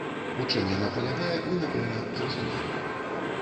У чым яна палягае, вы, напэўна, зразумелі.